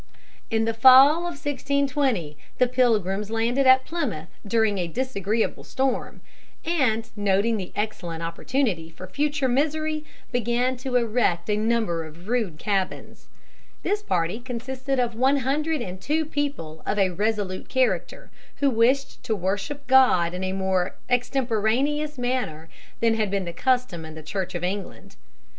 In the fall of 1620 the Pilgrims landed at Plymouth during a disagreeable storm, and, noting the excellent opportunity for future misery, began to erect a number of rude cabins. This party consisted of one hundred and two people of a resolute character who wished to worship God in a more extemporaneous manner than had been the custom in the Church of England.